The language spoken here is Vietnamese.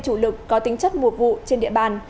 chủ lực có tính chất mùa vụ trên địa bàn